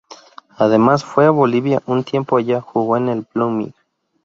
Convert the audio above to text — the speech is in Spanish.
Además, fue a Bolivia un tiempo, allá jugó en el Blooming.